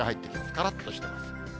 からっとしてます。